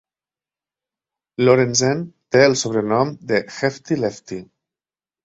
Lorenzen té el sobrenom de "Hefty Lefty".